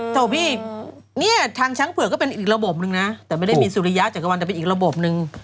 โทษพี่เนี่ยทางช้างเผือกก็เป็นอีกระบบนึงนะแต่ไม่ได้มีสุริยะจักรวรรณแต่เป็นอีกระบบหนึ่ง